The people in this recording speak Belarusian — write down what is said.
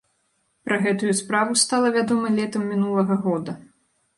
Пра гэтую справу стала вядома летам мінулага года.